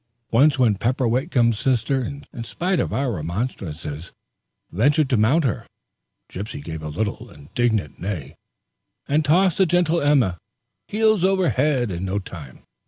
Once when Pepper Whitcomb's sister, in spite of our remonstrances, ventured to mount her, Gypsy gave a little indignant neigh, and tossed the gentle Emma heels over head in no time.